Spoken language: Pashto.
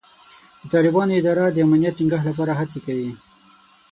د طالبانو اداره د امنیت ټینګښت لپاره هڅې کوي.